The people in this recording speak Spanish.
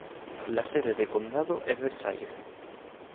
La sede de condado es Versailles.